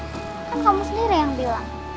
kan kamu sendiri yang bilang